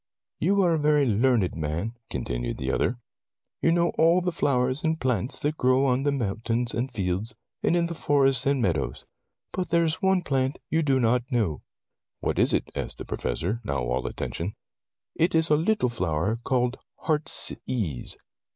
"You are a very learned man," con tinued the other. "You know all the flowers and plants that grow on the moun tains and fields, in the forests and meadows. But there is one plant you do not know." "What is it?" asked the Professor, now all attention. "It is a little flower called heartsease."